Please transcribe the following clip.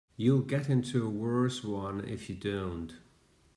You'll get into a worse one if you don't.